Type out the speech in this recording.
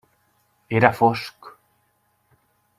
Era fosc.